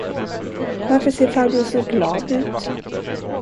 Varför ser farbror så glad ut?